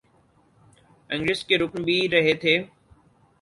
ingress کے رکن بھی رہے تھے